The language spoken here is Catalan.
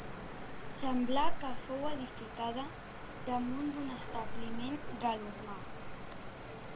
Sembla que fou edificada damunt d'un establiment gal·loromà.